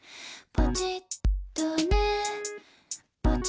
「ポチッとね」